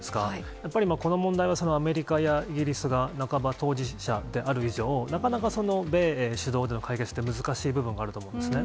やっぱりこの問題はアメリカやイギリスが半ば当事者である以上、なかなか米英主導での解決って難しい部分があると思うんですね。